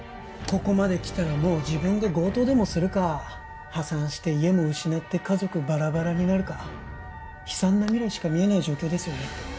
ここまできたらもう自分で強盗でもするか破産して家も失って家族バラバラになるか悲惨な未来しか見えない状況ですよね？